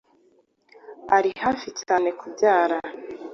ari hafi cyane kubyara